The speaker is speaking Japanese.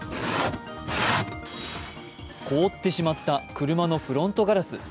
凍ってしまった車のフロントガラス。